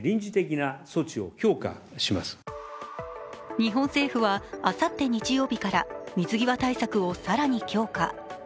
日本政府はあさって日曜日から水際対策を更に強化。